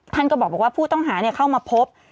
ท่านก็บอกว่าผู้ต้องหาเข้ามาพบ